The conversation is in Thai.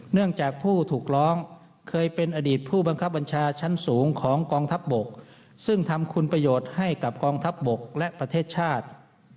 เนื่องจากผู้ถูกร้องเคยเป็นอดีตผู้บังคับบัญชาชั้นสูงของกองทัพบกซึ่งทำคุณประโยชน์ให้กับกองทัพบกและประเทศชาติ